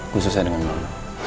khususnya dengan mama